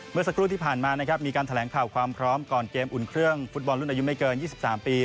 เมื่อสักครู่ที่ผ่านมานะครับมีการแถลงข่าวความพร้อมก่อนเกมอุ่นเครื่องฟุตบอลรุ่นอายุไม่เกิน๒๓ปี